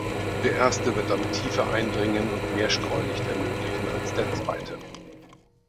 Der erste wird damit tiefer eindringen und mehr Streulicht ermöglichen als der zweite.